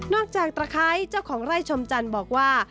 นอกจากตระไขเจ้าของไร่ชมจันย์บอกว่า